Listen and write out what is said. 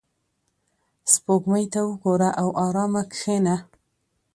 • سپوږمۍ ته وګوره او آرامه کښېنه.